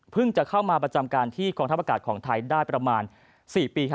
จะเข้ามาประจำการที่กองทัพอากาศของไทยได้ประมาณ๔ปี